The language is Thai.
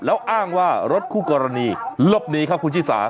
แล้วอ้างว่ารถคู่กรณีลบหนีครับคุณชิสา